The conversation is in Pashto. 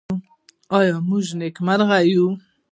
آیا موږ نېکمرغه یو؟